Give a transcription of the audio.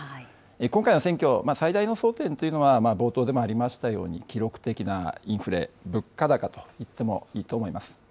今回の選挙、最大の争点というのは冒頭でもありましたように、記録的なインフレ、物価高といってもいいと思います。